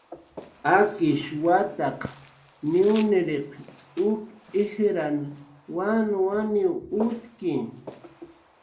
Akish wataq niwniriq uk ijrnaq wanwaniw utki